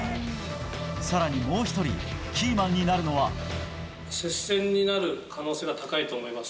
さらにもう一人、キーマンに接戦になる可能性が高いと思います。